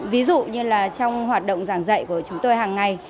ví dụ như là trong hoạt động giảng dạy của chúng tôi hàng ngày